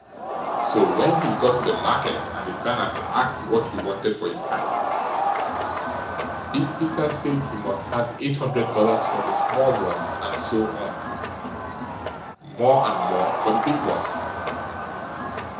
So when he got to the market, and the tanners asked what he wanted for his hides, Big Peter said he must have eight hundred dollars for the small ones, and so on, more and more for the big ones.